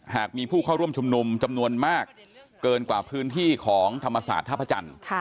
หากมีผู้เข้าร่วมชุมนุมจำนวนมากเกินกว่าพื้นที่ของธรรมศาสตร์ท่าพระจันทร์